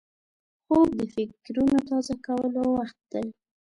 خوب د فکرونو تازه کولو وخت دی